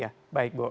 ya baik bu